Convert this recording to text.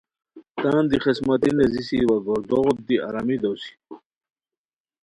تان دی خسمتی نیزیسی وا گوردوغوت دی آرامی دوسی